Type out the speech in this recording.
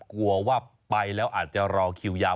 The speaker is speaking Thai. กลัวว่าไปแล้วอาจจะรอคิวยาว